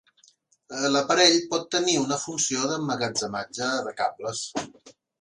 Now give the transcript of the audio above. L'aparell pot tenir una funció d'emmagatzematge de cables.